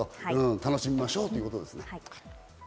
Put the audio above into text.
楽しみましょうということです。